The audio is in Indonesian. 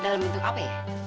dalam bentuk apa ya